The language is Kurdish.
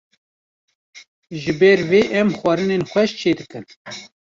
Ji ber vê em xwarinên xweş çê dikin